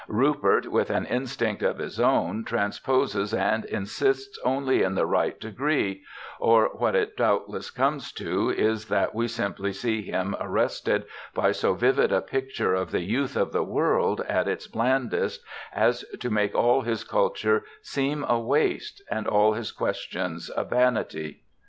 Rupert, with an instinct of his own, transposes and insists only in the right degree; or what it doubtless comes to is that we simply see him arrested by so vivid a picture of the youth of the world at its blandest as to make all his culture seem a waste and all his questions a vanity.